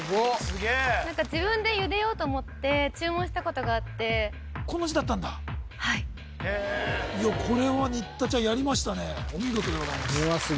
すげえ自分でゆでようと思って注文したことがあってこの字だったんだはいいやこれは新田ちゃんやりましたねお見事でございます